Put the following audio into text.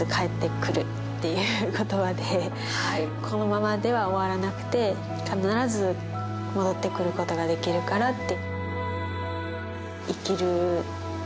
このままでは終わらなくて必ず戻ってくることができるからって。